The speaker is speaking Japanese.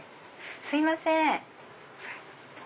すいません！